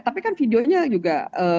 tapi kan videonya juga